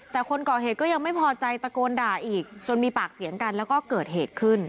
แต่คนก่อเหตุก็ยังไม่พอใจตะโกนด่าอีกจนมีปากเสียงกันแล้วก็เกิดเหตุขึ้น